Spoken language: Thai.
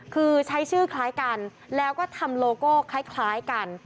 คือใช้ชื่อคล้ายกันแล้วก็ทำโลโก้คล้ายกัน